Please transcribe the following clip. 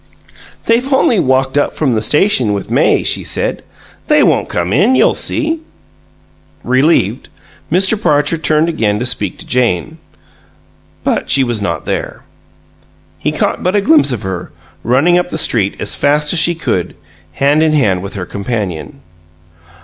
"They've only walked up from the station with May," she said. "They won't come in. You'll see!" Relieved, Mr. Parcher turned again to speak to Jane but she was not there. He caught but a glimpse of her, running up the street as fast as she could, hand in hand with her companion.